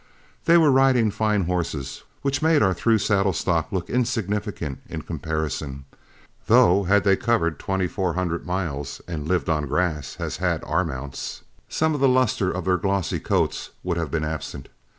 They were riding fine horses, which made our through saddle stock look insignificant in comparison, though had they covered twenty four hundred miles and lived on grass as had our mounts, some of the lustre of their glossy coats would have been absent.